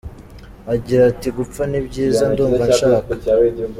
agira ati gupfa ni byiza ndumva nshaka.